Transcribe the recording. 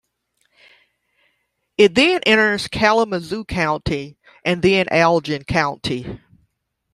It then enters Kalamazoo County and then Allegan County.